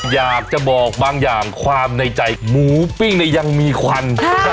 อยากจะบอกบางอย่างความในใจหมูปิ้งเนี่ยยังมีควัน